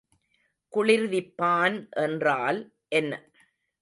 குளிர்விப்பான் என்றால் என்ன?